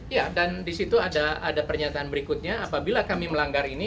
ya dan di situ ada pernyataan berikutnya apabila kami melanggar ini